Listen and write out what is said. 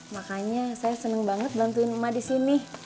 makanya saya seneng banget bantuin emak disini